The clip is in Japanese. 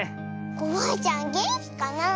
コバアちゃんげんきかなあ。